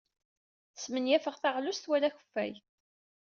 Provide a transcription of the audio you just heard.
Smenyafeɣ taɣlust wala akeffay.